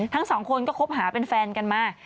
ทั้งสองคนก็คบหาเป็นแฟนกันมา